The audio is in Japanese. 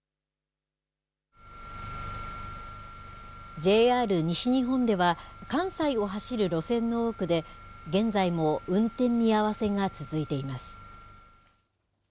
ＪＲ西日本では、関西を走る路線の多くで、現在も運転見合わせが続いています。